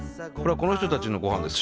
この人たちのごはんですか？